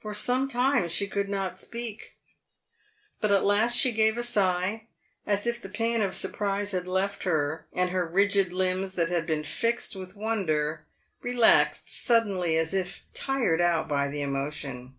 For some time she could not speak ; but at last she gave a sigh, as if the pain of surprise had left her, and her rigid limbs, that had been fixed with wonder, relaxed suddenly, as if tired out by the emotion.